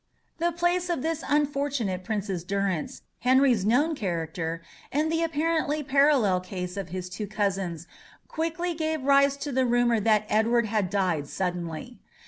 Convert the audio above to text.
The place of this unfortunate prince's durance, Henry's known character, and the apparently parallel case of his two cousins, quickly gave rise to the rumour that Edward had died suddenly.